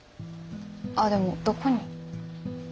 ああでもどこに？